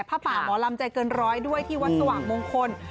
ผ้าป่าหมอลำใจเกินร้อยด้วยที่วัดสว่างมงคล